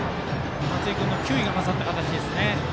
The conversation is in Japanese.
松井君の球威が勝った形です。